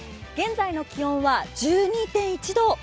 現在の気温は１２．１度。